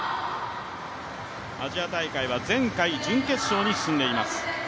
アジア大会は前回準決勝に進んでいます。